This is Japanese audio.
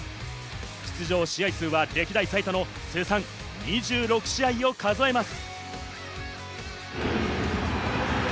出場試合数が歴代最多の通算２６試合を数えます。